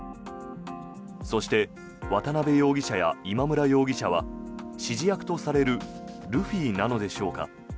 そして渡邉容疑者や今村容疑者は指示役とされるルフィなのでしょうか。